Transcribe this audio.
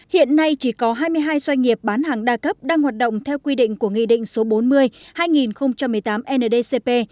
hiện nay chỉ có hai mươi hai doanh nghiệp bán hàng đa cấp đang hoạt động theo quy định của nghị định số bốn mươi hai nghìn một mươi tám ndcp